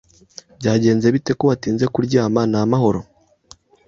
Byagenze bite ko watinze kuryama Ni amahoro